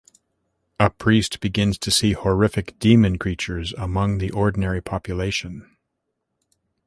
A priest begins to see horrific demon creatures amongst the ordinary population.